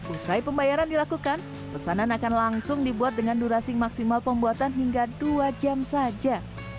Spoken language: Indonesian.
usai pembayaran dilakukan pesanan akan langsung dibuat dengan durasi maksimal pembuatan hingga dua jam saja